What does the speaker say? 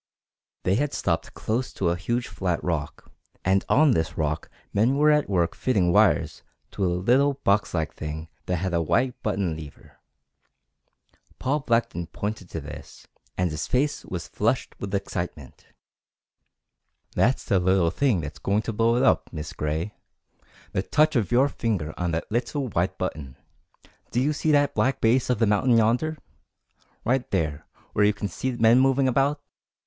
They had stopped close to a huge flat rock, and on this rock men were at work fitting wires to a little boxlike thing that had a white button lever. Paul Blackton pointed to this, and his face was flushed with excitement. "That's the little thing that's going to blow it up, Miss Gray the touch of your finger on that little white button. Do you see that black base of the mountain yonder? right there where you can see men moving about?